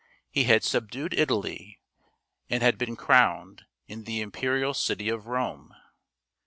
He had subdued Italy and had been crowned in the imperial city of Rome.